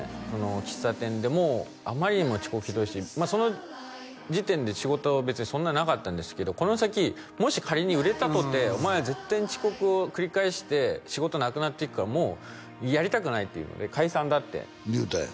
喫茶店でもうあまりにも遅刻ひどいしまあその時点で仕事は別にそんななかったんですけどこの先もし仮に売れたとてお前は絶対に遅刻を繰り返して仕事なくなっていくからもうやりたくないっていうので解散だって言うたんや？